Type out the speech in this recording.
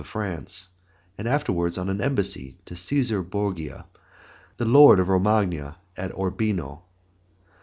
of France, and afterward on an embassy to Cæsar Borgia, the lord of Romagna, at Urbino.